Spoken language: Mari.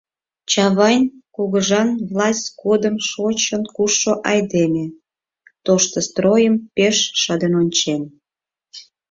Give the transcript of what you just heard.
Чавайн, кугыжан власть годым шочын кушшо айдеме, тошто стройым пеш шыдын ончен.